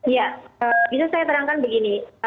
ya bisa saya terangkan begini